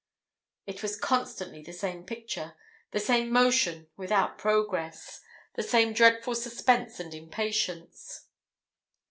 It was constantly the same picture the same motion without progress the same dreadful suspense and impatience.